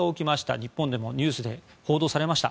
日本でもニュースで報道されました。